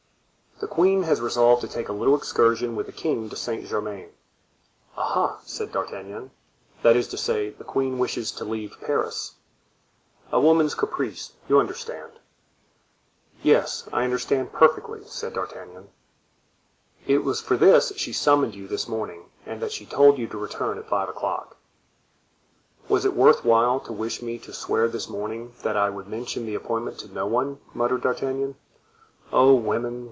"The queen has resolved to make a little excursion with the king to Saint Germain." "Aha!" said D'Artagnan, "that is to say, the queen wishes to leave Paris." "A woman's caprice—you understand." "Yes, I understand perfectly," said D'Artagnan. "It was for this she summoned you this morning and that she told you to return at five o'clock." "Was it worth while to wish me to swear this morning that I would mention the appointment to no one?" muttered D'Artagnan. "Oh, women!